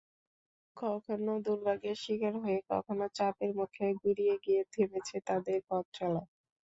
কখনো দুর্ভাগ্যের শিকার হয়ে, কখনো চাপের মুখে গুঁড়িয়ে গিয়ে থেমেছে তাদের পথচলা।